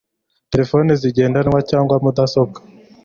telefoni zigendanwa cyangwa mudasobwa